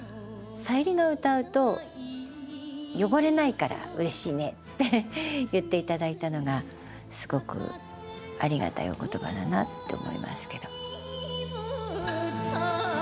「さゆりが歌うと汚れないからうれしいね」って言って頂いたのがすごくありがたいお言葉だなって思いますけど。